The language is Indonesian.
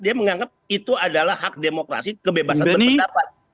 dia menganggap itu adalah hak demokrasi kebebasan dan pendapat